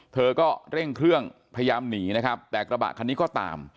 เธอก็เร่งเครื่องพยายามหนีนะครับแต่กระบะคันนี้ก็ตาม